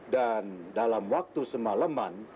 dan dalam waktu semaleman